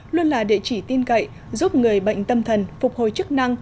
luôn là địa chỉ tin cậy giúp người bệnh tâm thần phục hồi chức năng